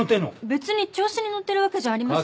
別に調子に乗ってるわけじゃありません。